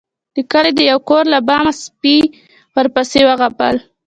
د کلي د يو کور له بامه سپي ورپسې وغپل.